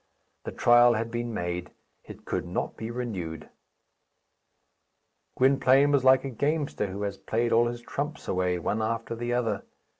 The trial had been made. It could not be renewed. Gwynplaine was like a gamester who has played all his trumps away, one after the other.